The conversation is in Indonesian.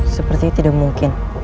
sepertinya tidak mungkin